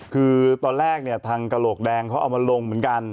คือตอนแรกเนี่ยทางกระโหลกแดงเขาเอามาลงเหมือนกัน